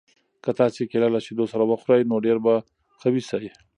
که تاسي کیله له شیدو سره وخورئ نو ډېر به قوي شئ.